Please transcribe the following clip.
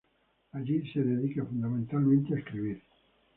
Allí se dedica, fundamentalmente, a escribir.